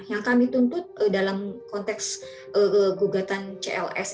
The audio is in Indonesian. yang kami tuntut dalam konteks gugatan cls